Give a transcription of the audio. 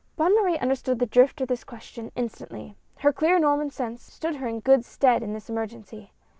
Bonne Marie understood the drift of this question instantly. Her clear Norman sense stood her in good stead in this emergency.